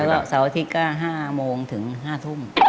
แล้วก็เสาร์อาทิตย์ก็๕โมงถึง๕ทุ่ม